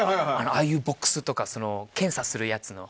ああいうボックスとか検査するやつの。